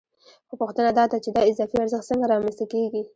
خو پوښتنه دا ده چې دا اضافي ارزښت څنګه رامنځته کېږي